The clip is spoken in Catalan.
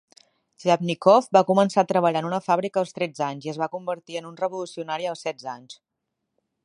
Xliàpnikov va començar a treballar en una fàbrica als tretze anys i es va convertir en un revolucionari als setze anys.